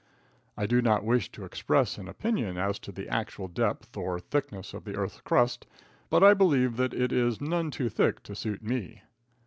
I do not wish to express an opinion as to the actual depth or thickness of the earth's crust, but I believe that it is none too thick to suit me.